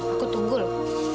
aku tunggu loh